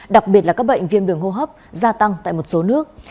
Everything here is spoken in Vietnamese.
đặc biệt là các bệnh viêm đường hô hấp gia tăng tại một số nước